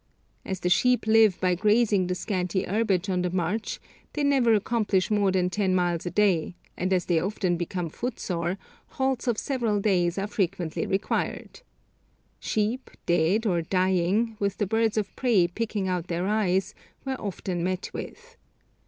As the sheep live by grazing the scanty herbage on the march, they never accomplish more than ten miles a day, and as they often become footsore, halts of several days are frequently required. Sheep, dead or dying, with the birds of prey picking out their eyes, were often met with.